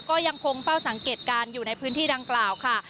ก็ยังคงเฝ้าสังเกตการณ์อยู่ในพื้นที่ดังกล่าวค่ะ